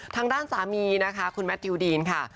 ทางด้านสามีคุณแมทธิวดินค่ะ